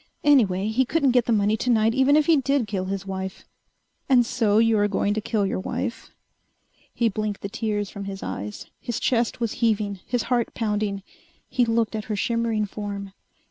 Anyway, he couldn't get the money tonight even if he did kill his wife. "And so you are going to kill your wife...." He blinked the tears from his eyes. His chest was heaving, his heart pounding. He looked at her shimmering form.